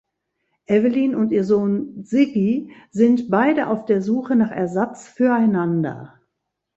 Evelyn und ihr Sohn Ziggy sind beide auf der Suche nach Ersatz füreinander.